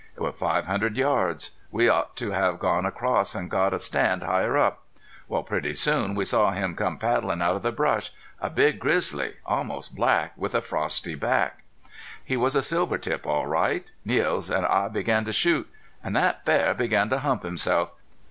It was five hundred yards. We ought to have gone across an' got a stand higher up. Well, pretty soon we saw him come paddlin' out of the brush a big grizzly, almost black, with a frosty back. He was a silvertip all right. Niels an' I began to shoot. An' thet bear began to hump himself.